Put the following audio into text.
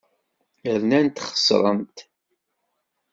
Rnant xesrent.